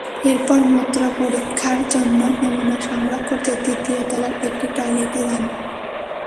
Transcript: এরপর মূত্র পরীক্ষার জন্য নমুনা সংগ্রহ করতে তৃতীয় তলার একটি টয়লেটে যান।